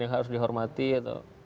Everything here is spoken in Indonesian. yang harus dihormati atau